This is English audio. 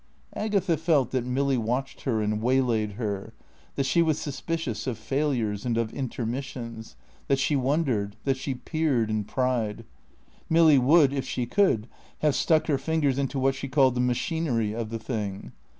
Agatha felt that Milly watched her and waylaid her; that she was suspicious of failures and of intermissions; that she wondered; that she peered and pried. Milly would, if she could, have stuck her fingers into what she called the machinery of the thing.